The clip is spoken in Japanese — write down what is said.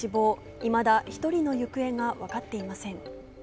いまだ１人の行方がわかっていません。